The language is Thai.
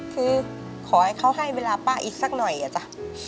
คือขอให้เขาให้เวลาป้าอีกสักหน่อยอะจ๊ะ